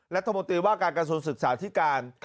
รัฐมนตรีว่าการกระทรวงศึกษาที่การ